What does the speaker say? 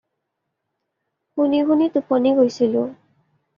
শুনি শুনি টোপনি গৈছিলোঁ।